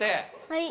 はい。